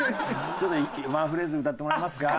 ちょっとワンフレーズ歌ってもらえますか？